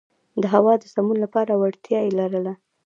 د هوا د سمون لپاره وړتیا یې لرله.